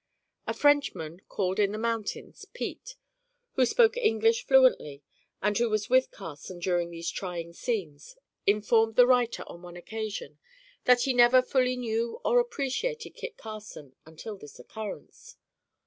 A Frenchman, called in the mountains Pete, who spoke English fluently and who was with Carson during these trying scenes, informed the writer, on one occasion, that he never fully knew or appreciated Kit Carson until this occurrence.